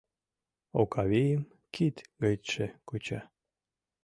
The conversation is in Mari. Окавийым кид гычше куча.